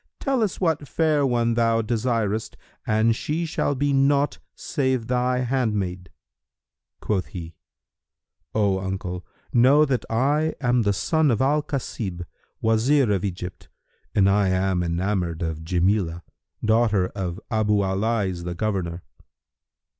Tell us what fair one thou desirest, and she shall be naught save thy handmaid." Quoth he, "O uncle, know that I am the son of al Kasib, Wazir of Egypt, and I am enamoured of Jamilah, daughter of Abu al Lays the Governor."